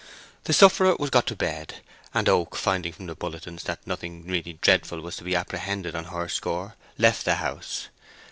The sufferer was got to bed, and Oak, finding from the bulletins that nothing really dreadful was to be apprehended on her score, left the house.